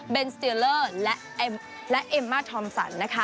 เบนส์สติลเลอร์และเอมม่าทอมสัน